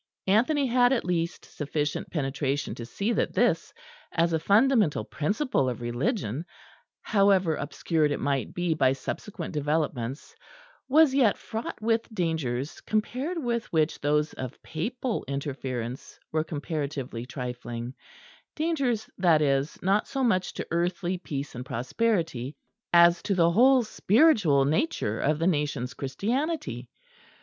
Anthony had at least sufficient penetration to see that this, as a fundamental principle of religion, however obscured it might be by subsequent developments, was yet fraught with dangers compared with which those of papal interference were comparatively trifling dangers that is, not so much to earthly peace and prosperity, as to the whole spiritual nature of the nation's Christianity.